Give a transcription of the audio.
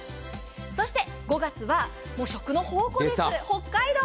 そして５月は食の宝庫です、北海道。